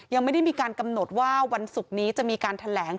ยังไม่ได้มีการกำหนดว่าวันศุกร์นี้จะมีการแถลง